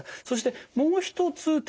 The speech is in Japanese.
そしてもう一つ